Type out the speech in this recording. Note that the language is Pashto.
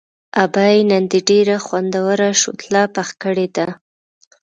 ابۍ نن دې ډېره خوندوره شوتله پخه کړې ده.